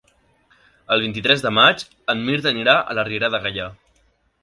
El vint-i-tres de maig en Mirt anirà a la Riera de Gaià.